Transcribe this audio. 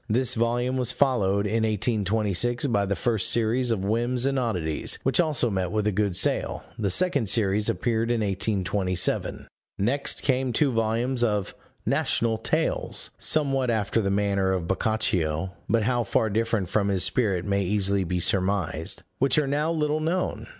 This volume was followed, in 1826, by the first series of Whims and Oddities, which also met with a good sale; the second series appeared in 1827. Next came two volumes of National Tales, somewhat after the manner of Boccaccio (but how far different from his spirit may easily be surmised), which are now little known.